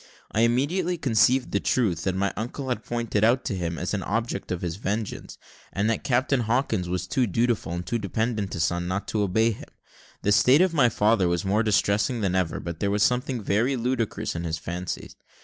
I immediately conceived the truth, that my uncle had pointed me out to him as an object of his vengeance, and that Captain Hawkins was too dutiful, and too dependent a son, not to obey him. The state of my father was more distressing than ever, but there was something very ludicrous in his fancies.